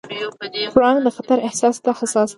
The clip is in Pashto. پړانګ د خطر احساس ته حساس دی.